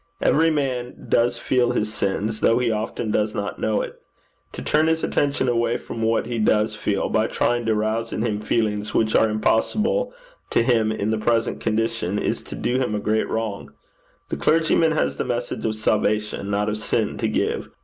Every man does feel his sins, though he often does not know it. To turn his attention away from what he does feel by trying to rouse in him feelings which are impossible to him in his present condition, is to do him a great wrong. The clergyman has the message of salvation, not of sin, to give.